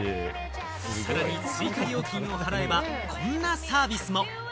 さらに追加料金を払えばこんなサービスも。